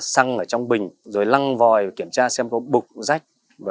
xăng ở trong bình rồi lăng vòi kiểm tra xem có bục rách